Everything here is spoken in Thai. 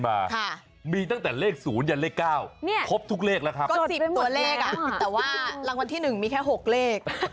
ก็สิบตัวเลขแต่ว่าลังวัลที่หนึ่งมีแค่หกเลข